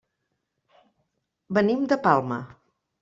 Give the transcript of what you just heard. Venim de Palma.